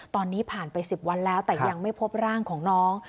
ตอนนี้ผ่านไป๑๐วันแล้วแต่ยังไม่พบร่างของน้อง